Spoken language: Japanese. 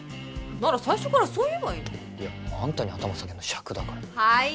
なら最初からそう言えばいいのにいやアンタに頭下げんのしゃくだからはい？